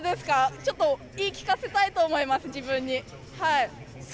ちょっと言い聞かせたいと思います、自分に。